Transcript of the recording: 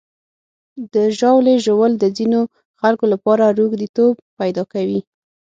د ژاولې ژوول د ځینو خلکو لپاره روږديتوب پیدا کوي.